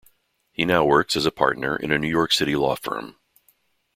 He now works as a partner in a New York City law firm.